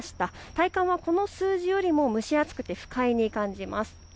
体感はこの数字よりも蒸し暑く不快に感じます。